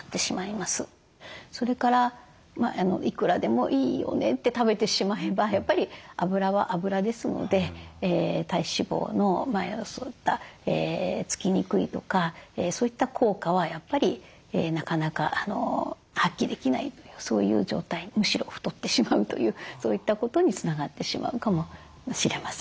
それからいくらでもいいよねって食べてしまえばやっぱりあぶらはあぶらですので体脂肪のそういった付きにくいとかそういった効果はやっぱりなかなか発揮できないというそういう状態にむしろ太ってしまうというそういったことにつながってしまうかもしれません。